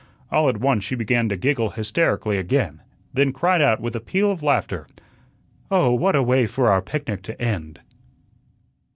All at once she began to giggle hysterically again, then cried out with a peal of laughter: "Oh, what a way for our picnic to end!"